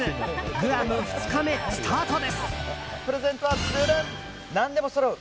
グアム２日目、スタートです。